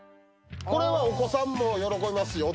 これはお子さんも喜びます